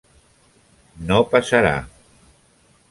No passarà.